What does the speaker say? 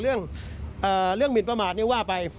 เรื่องหมินประมาทนี่ว่าไป